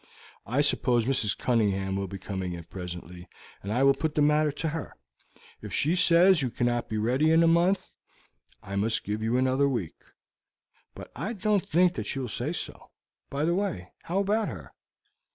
I suppose Mrs. Cunningham will be coming in presently, and I will put the matter to her. If she says you cannot be ready in a month I must give you another week, but I don't think that she will say so. By the way, how about her?"